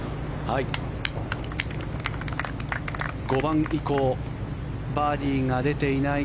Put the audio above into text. ５番以降バーディーが出ていない